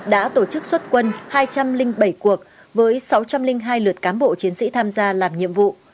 đã tổ chức xuất quân hai trăm linh bảy cuộc với sáu trăm linh hai lượt cán bộ chiến sĩ tham gia làm nhiệm vụ